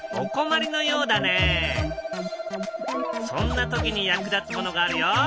そんな時に役立つものがあるよ。